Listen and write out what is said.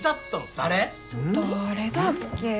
誰だっけ。